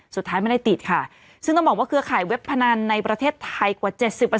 สุดท้ายไม่ได้ติดค่ะซึ่งต้องบอกว่าเครือข่ายเว็บพนันในประเทศไทยกว่า๗๐